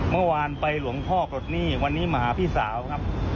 เมื่อวานไปหลวงพ่อปลดหนี้วันนี้มาหาพี่สาวครับ